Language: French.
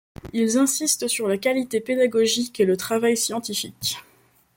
Ils insistent sur la qualité pédagogique et le travail scientifique.